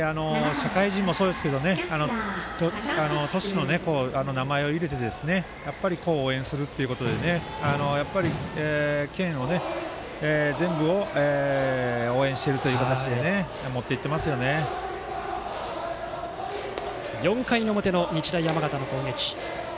社会人もそうですけど都市の名前を入れて応援するということで県全部を応援しているという形で４回の表の日大山形の攻撃。